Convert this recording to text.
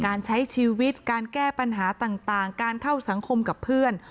การใช้ชีวิตการแก้ปัญหาต่างการเข้าสังคมกับเพื่อน